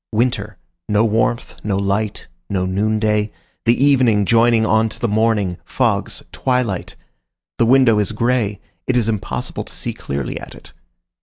Winter: no warmth, no light, no noonday, the evening joining on to the morning, fogs, twilight; the window is gray; it is impossible to see clearly at it.